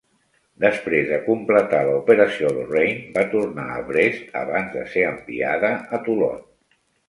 Després de completar la operació, "Lorraine" va tornar a Brest abans de ser enviada a Toulon.